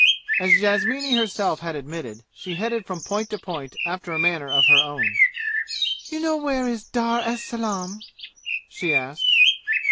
As Yasmini herself had admitted, she headed from point to point after a manner of her own. "You know where is Dar es Salaam?" she asked.